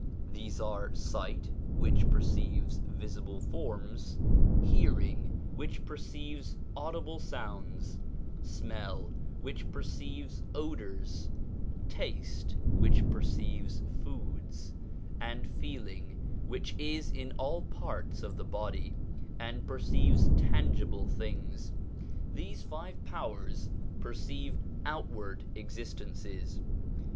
These are sight, which perceives visible forms; hearing, which per ceives audible sounds; smell, which perceives odours; taste, which perceives foods; and feeling, which is in all parts of the body, and perceives tangible things. These five powers perceive outward existences.